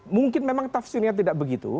mungkin memang tafsirnya tidak begitu